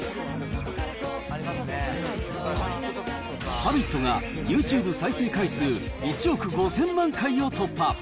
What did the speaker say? Ｈａｂｉｔが、ユーチューブ再生回数１億５０００万回を突破。